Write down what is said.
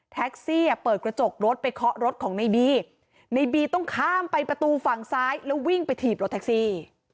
เสียเปิดกระจกรถไปเคาะรถของในบีในบีต้องข้ามไปประตูฝั่งซ้ายแล้ววิ่งไปถีบรถแท็กซี่